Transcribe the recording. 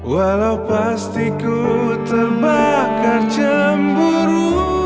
walau pasti ku terbakar cemburu